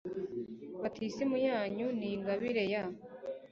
batisimu yanyu ni ingabire ya